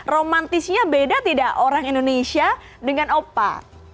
romantisnya beda tidak orang indonesia dengan eopa